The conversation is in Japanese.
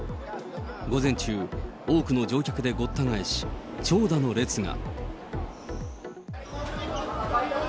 午前中、多くの乗客でごった返し、長蛇の列が。